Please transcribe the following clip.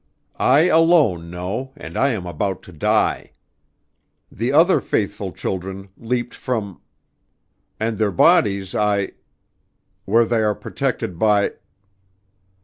I alone know and I am about to die. The other faithful children, leaped from and their bodies I where they are protected by